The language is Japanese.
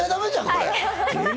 これ。